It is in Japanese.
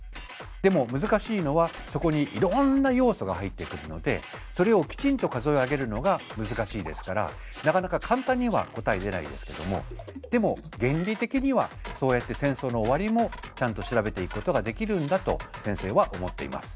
でも難しいのはそこにいろんな要素が入ってくるのでそれをきちんと数え上げるのが難しいですからなかなか簡単には答え出ないですけどもでも原理的にはそうやって戦争の終わりもちゃんと調べていくことができるんだと先生は思っています。